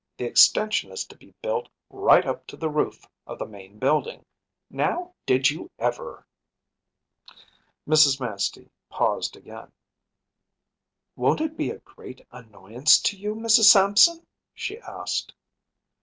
The extension is to be built right up to the roof of the main building; now, did you ever?‚ÄĚ Mrs. Manstey paused again. “Won’t it be a great annoyance to you, Mrs. Sampson?‚ÄĚ she asked.